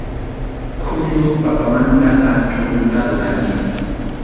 Khullu papamantaqa chʼuñuta ruranchik.